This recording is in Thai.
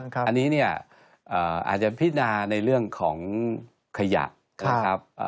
อันนี้เนี่ยอาจจะพินาในเรื่องของขยะนะครับ